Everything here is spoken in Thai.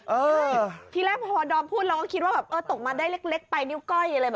ทีแรกพอดอมพูดเราก็คิดว่าแบบเออตกมาได้เล็กไปนิ้วก้อยอะไรแบบ